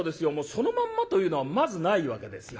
そのまんまというのはまずないわけですよ。